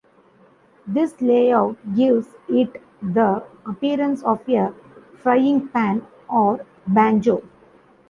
This layout gives it the appearance of a frying pan or banjo.